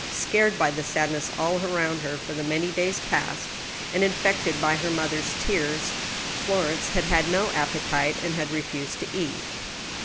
Scared by the sadness all around her for many days past, and ^o THE STEEL HAMMER. infected by her mother's tears, Florence had had no appetite, and had refused to eat.